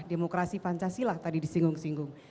demokrasi pancasila tadi disinggung singgung